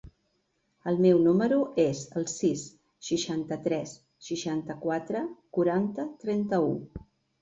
El meu número es el sis, seixanta-tres, seixanta-quatre, quaranta, trenta-u.